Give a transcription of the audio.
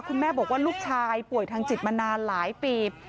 คุณแม่บอกว่าลูกชายป่วยทางจิตมานานหลายปี